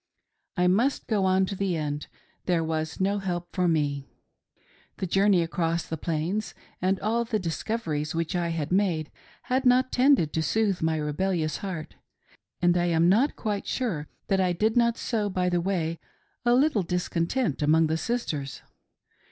I must go on to the end — there was no help for me. The journey across the Plains, and all the discoveries which I had made, had not tended' to soothe my rebellious heart, and I am not quite sure that I did not sow by the way a little discontent among the sisters.